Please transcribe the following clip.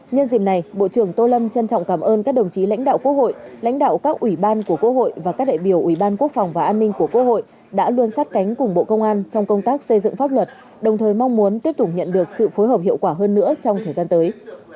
nhân dịp này bộ trưởng tô lâm trân trọng cảm ơn các đồng chí lãnh đạo quốc hội lãnh đạo các ủy ban của quốc hội và các đại biểu ủy ban quốc phòng và an ninh của quốc hội đã luôn sát cánh cùng bộ công an trong công tác xây dựng pháp luật đồng thời mong muốn tiếp tục nhận được sự phối hợp hiệu quả hơn nữa trong thời gian tới